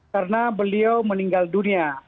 karena beliau meninggal dunia